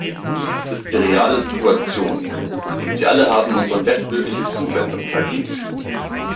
Dies ist die reale Situation, und sie alle haben unsere bestmögliche Zuwendung verdient.